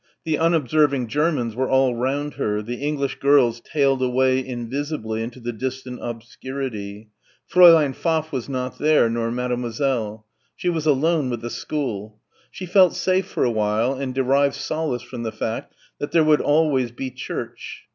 The unobserving Germans were all round her, the English girls tailed away invisibly into the distant obscurity. Fräulein Pfaff was not there, nor Mademoiselle. She was alone with the school. She felt safe for a while and derived solace from the reflection that there would always be church.